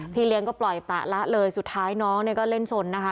เลี้ยงก็ปล่อยปะละเลยสุดท้ายน้องเนี่ยก็เล่นสนนะคะ